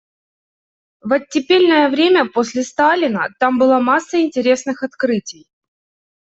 В оттепельное время, после Сталина – там была масса интересных открытий.